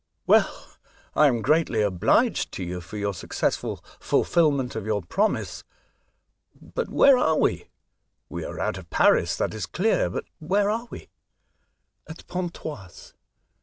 ''" Well, I am greatly obliged to you for your successful fulfilment of your promise. But where are we ? We are out of Paris, that ia clear ; but where are we ?"At Pontoise.